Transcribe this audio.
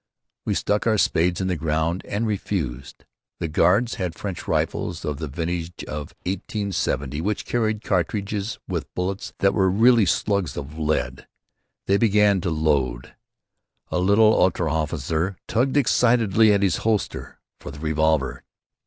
We stuck our spades in the ground and refused. The guards had French rifles of the vintage of 1870 which carried cartridges with bullets that were really slugs of lead. They began to load. A little unteroffizier tugged excitedly at his holster for the revolver.